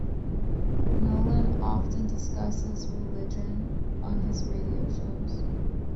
Nolan often discusses religion on his radio shows.